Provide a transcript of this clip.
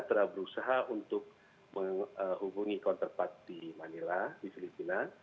telah berusaha untuk menghubungi counterpart di manila di filipina